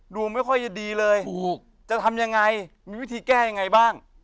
ดูไม่ค่อยจะดีเลยถูกจะทำยังไงมีวิธีแก้ยังไงบ้าง